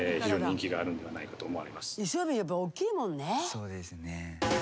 そうですね。